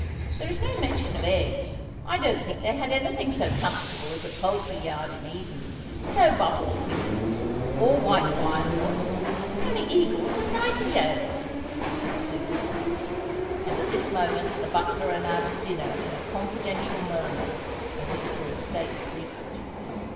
"There is no mention of eggs. I don't think they had anything so comfortable as a poultry yard in Eden; no buff Orpingtons, or white Wyandottes, only eagles and nightingales," said Susie, and at this moment the butler announced dinner in a confidential murmur, as if it were a State secret.